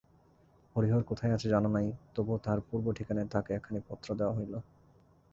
হরিহর কোথায় আছে জানা নাই-তবুও তাহার পূর্ব ঠিকানায় তাহাকে একখানি পত্র দেওয়া হইল।